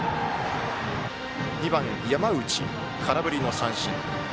２番の山内、空振りの三振。